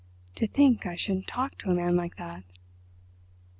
"To think I should talk to a man like that!"